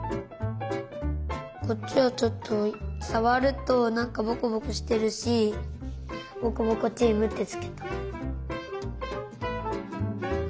こっちはちょっとさわるとなんかボコボコしてるしボコボコチームってつけた。